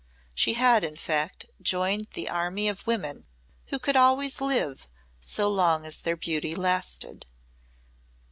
She had in fact joined the army of women who could always live so long as their beauty lasted.